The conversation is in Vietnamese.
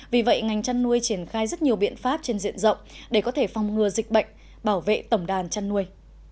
vì vậy ngành chăn nuôi triển khai rất nhiều biện pháp trên diện rộng để có thể phòng ngừa dịch bệnh bảo vệ tổng đàn chăn nuôi